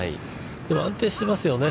でも、安定してますよね。